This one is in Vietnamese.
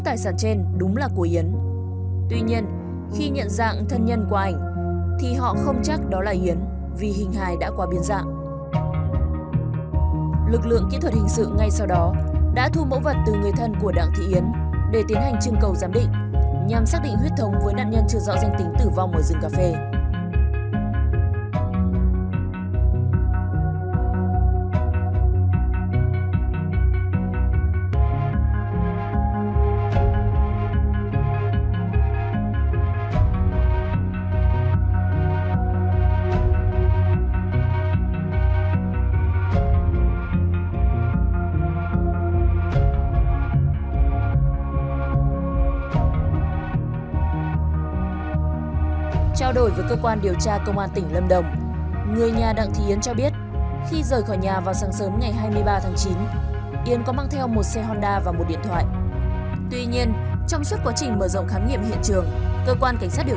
thủ trưởng kỹ thuật hình sự ngay sau đó đã thu mẫu vật từ người thân của đảng thị yến để tiến hành trưng cầu giám định nhằm xác định huyết thống với nạn nhân chưa rõ danh tính tử vong ở rừng cà phê